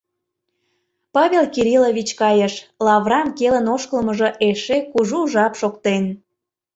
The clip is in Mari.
Павел Кириллович кайыш, лавырам келын ошкылмыжо эше кужу жап шоктен.